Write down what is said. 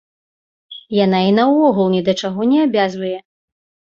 Яна іх наогул ні да чаго не абавязвае.